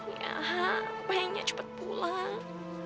ya aku pengennya cepat pulang